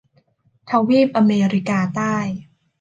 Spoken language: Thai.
ทวีปอเมริกาใต้